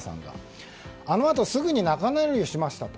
あのあとすぐに仲直りをしましたと。